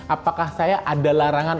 apakah saya ada larangan